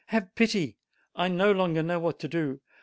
Have pity! I no longer know what to do!